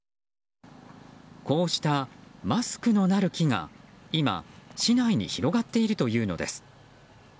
こうしたマスクのなる木が今、市内に広がっているというのです。